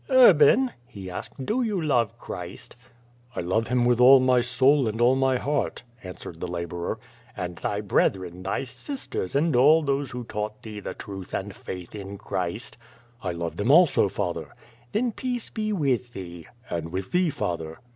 "Urban," he asked, "do you love Christ?" "I love Him with all my soul and all my heart," answered the laborer. "And thy brethren, thy sisters, and all those who taught thee the truth and faith in Christ?" "I love them also, father." "Then peace be with thee." "And with thee, father."